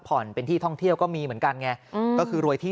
เป็นที่ท่องเที่ยวก็มีเหมือนกันไงอืมก็คือรวยที่